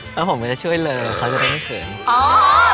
แล้วผมก็จะช่วยเลอเขาจะต้องไม่เผ็น